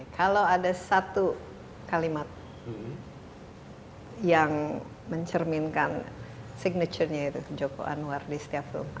kalau ada satu kalimat yang mencerminkan signature nya itu joko anwar di setiap film